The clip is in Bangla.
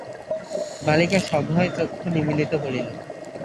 বালিকা সভয়ে চক্ষু নিমীলিত করিল।